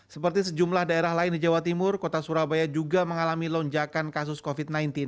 seperti sejumlah daerah lain di jawa timur kota surabaya juga mengalami lonjakan kasus covid sembilan belas